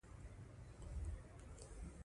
د يوسفزو پۀ علاقه کې